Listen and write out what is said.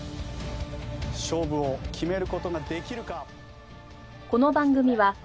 勝負を決める事ができるか？